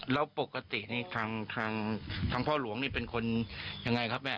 แล้วปกตินี่ทางพ่อหลวงนี่เป็นคนยังไงครับแม่